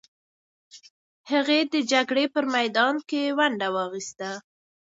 هغې د جګړې په میدان کې ونډه واخیسته.